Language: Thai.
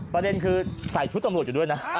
ประเด็นคือใส่ชุดตำรวจอยู่ด้วยนะ